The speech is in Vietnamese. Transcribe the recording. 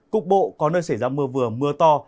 cục bộ có nơi xảy ra mưa vừa mưa to